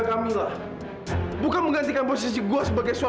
kakak benar benar sudah sadar